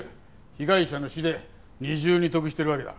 被害者の死で二重に得しているわけだ。